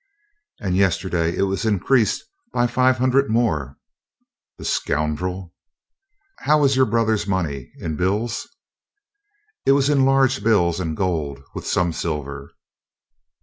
"And yesterday it was increased by five hundred more." "The scoundrel!" "How was your brother's money, in bills?" "It was in large bills and gold, with some silver."